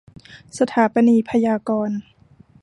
สถาปนียพยากรณ์